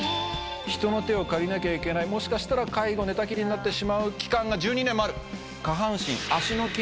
人の手を借りなきゃいけないもしかしたら介護寝たきりになってしまう期間が１２年もある。